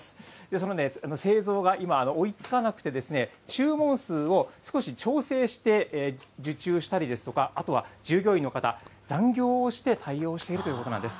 その製造が今、追いつかなくてですね、注文数を少し調整して受注したりですとか、あとは従業員の方、残業をして対応しているということなんです。